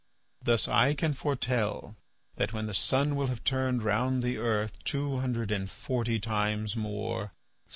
Thus I can foretell that when the sun will have turned round the earth two hundred and forty times more.